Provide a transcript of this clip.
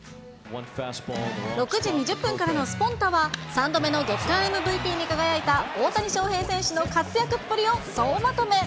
６時２０分からのスポンタっ！は、３度目の月間ＭＶＰに輝いた大谷翔平選手の活躍っぷりを総まとめ。